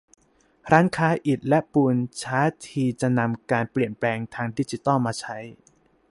ร้านค้าอิฐและปูนช้าทีจะนำการเปลี่ยนแปลงทางดิจิตอลมาใช้